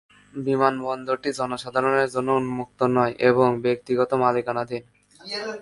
বিমানবন্দরটি জনসাধারণের জন্য উন্মুক্ত নয় এবং ব্যক্তিগত মালিকানাধীন।